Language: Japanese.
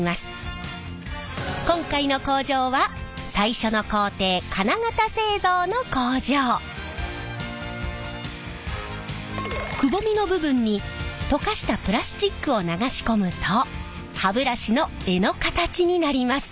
今回の工場は最初の工程くぼみの部分に溶かしたプラスチックを流し込むと歯ブラシの柄の形になります。